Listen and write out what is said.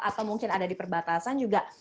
atau mungkin ada di perbatasan juga